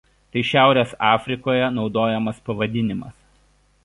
Tai Šiaurės Afrikoje naudojamas pavadinimas.